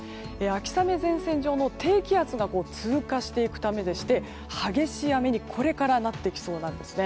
秋雨前線上の低気圧が通過していくためでしてこれから激しい雨になってきそうです。